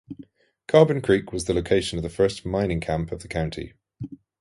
Carbon Creek was the location of the first mining camp of the county.